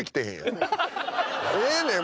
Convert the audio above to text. ええねん